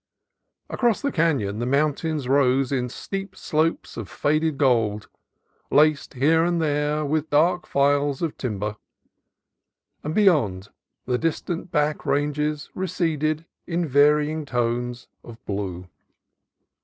Across the canon the mountains rose in steep slopes of faded gold, laced here and there with dark files of timber; and beyond, the distant back ranges receded in varying tones of blue.